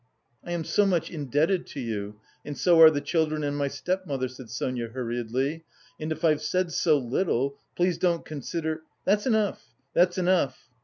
"I am so much indebted to you, and so are the children and my stepmother," said Sonia hurriedly, "and if I've said so little... please don't consider..." "That's enough! that's enough!"